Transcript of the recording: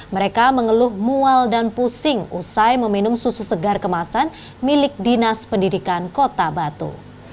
mereka mengeluh mual dan pusing usai meminum susu segar kemasan milik dinas pendidikan kota batu